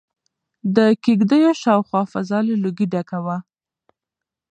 د کيږديو شاوخوا فضا له لوګي ډکه وه.